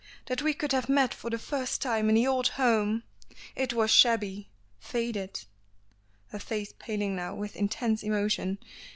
That we could have met for the first time in the old home. It was shabby faded" her face paling now with intense emotion.